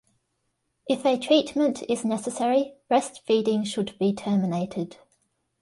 If a treatment is necessary, breastfeeding should be terminated.